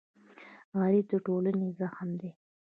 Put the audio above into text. غریب د ټولنې زخم دی